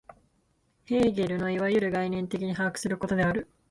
ヘーゲルのいわゆる概念的に把握することである。